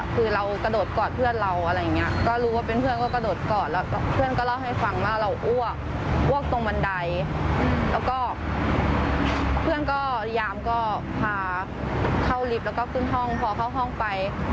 คือพอเราลงจากแท็กซี่เรากระโดดกอดเพื่อนเรา